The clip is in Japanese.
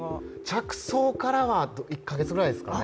着想からは１か月くらいですかね。